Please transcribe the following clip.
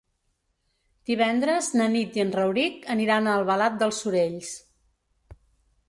Divendres na Nit i en Rauric aniran a Albalat dels Sorells.